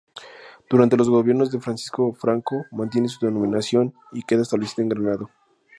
Durante los Gobiernos de Francisco Franco mantiene su denominación y queda establecido en Granada.